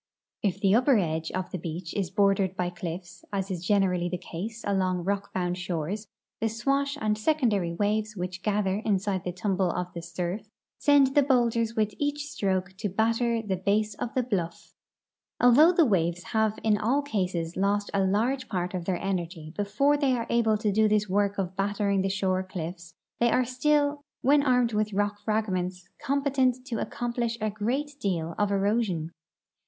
If the upper edge of the beach is bordered by cliffs, as is generally the case along rock bound shores, the SAvash and secondary Avaves Avhich gather inside the tumble of the surf send the boulders Avith each stroke to batter the base of the bluff Although the Avaves have in all cases lost a large ]>art of their energy before they are able to do this Avork of battering the shore cliffs they are still, Avhen armed Avith rock fragments, comj)ctcnt to accomi»lish a great deal of erosion.